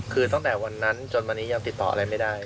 คือตั้งแต่วันนั้นจนวันนี้ยังติดต่ออะไรไม่ได้